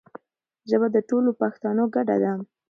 ژبه د ټولو پښتانو ګډه ده.